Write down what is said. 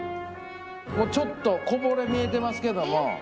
もうちょっとこぼれ見えてますけども。